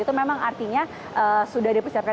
itu memang artinya sudah dipersiapkan